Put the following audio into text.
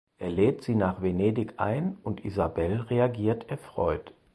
Er lädt sie nach Venedig ein und Isabelle reagiert erfreut.